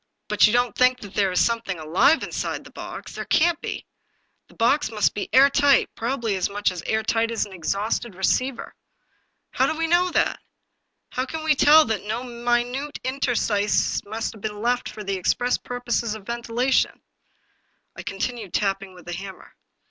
" But you don't think that there is something alive in side the box? There can't be. The box must be air tight, probably as much air tight as an exhausted receiver." " How do we know that ? How can we tell that na minute interstices have been left for the express purpose of ventilation ?" I continued tapping with the hammer.